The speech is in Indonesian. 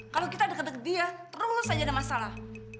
kalau kita deket deket dia terus saja ada masalah